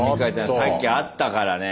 さっきあったからねえ。